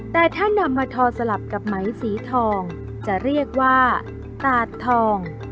แต่ถ้านำมาทอสลับกับไหมสีทองจะเรียกว่าตาดทอง